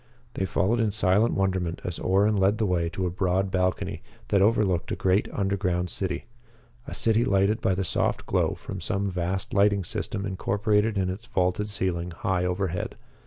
They followed in silent wonderment as Orrin led the way to a broad balcony that overlooked a great underground city a city lighted by the soft glow from some vast lighting system incorporated in its vaulted ceiling high overhead.